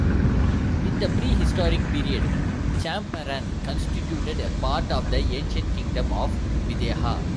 In the prehistoric period, Champaran constituted a part of the ancient kingdom of Videha.